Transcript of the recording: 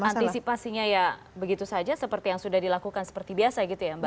antisipasinya ya begitu saja seperti yang sudah dilakukan seperti biasa gitu ya mbak